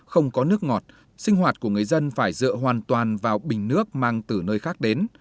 không có nước ngọt sinh hoạt của người dân phải dựa hoàn toàn vào bình nước mang từ nơi khác đến